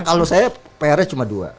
kalau saya pr nya cuma dua